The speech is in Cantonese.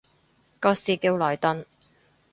個市叫萊頓